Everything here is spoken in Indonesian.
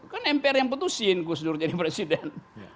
kan mpr yang putusin gus dur jadi presiden